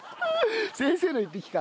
先生の１匹か。